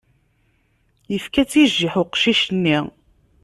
Yefka-tt i jjiḥ weqcic-nni.